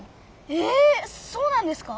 えそうなんですか？